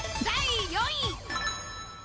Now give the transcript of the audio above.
第４位。